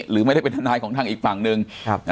หรือไม่ได้เป็นทนายของทางอีกฝั่งหนึ่ง